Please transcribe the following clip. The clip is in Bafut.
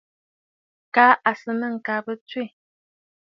Kaa à sɨ̀ nɨ̂ ŋ̀kabə tswê.